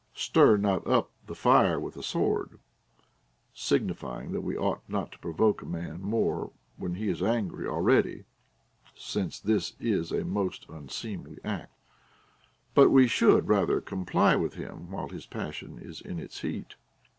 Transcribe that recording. Stir not up the fire with a sword ; signifying that Ave ought not to provoke a man more when he is angry already (since this is a most unseemly act), but we should rather comply with him while his passion is in its heat.